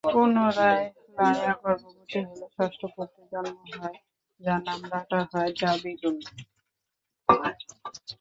পুনরায় লায়্যা গর্ভবতী হলে ষষ্ঠ পুত্রের জন্ম হয় যার নাম রাখা হয় যাবিলূন।